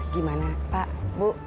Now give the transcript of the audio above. gimana pak bu